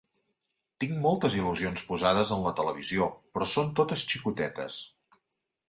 Tinc moltes il·lusions posades en la televisió, però són totes xicotetes.